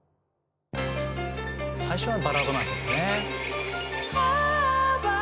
「最初はバラードなんですよね」